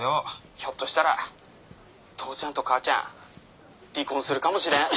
ひょっとしたら父ちゃんと母ちゃん離婚するかもしれん。